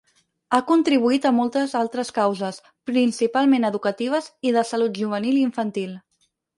Ha contribuït a moltes altres causes, principalment educatives i de salut juvenil i infantil.